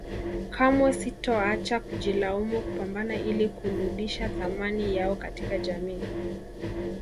Kamwe sitoacha kujilaumu kupambana ili kuludisha thamani yao katika jamii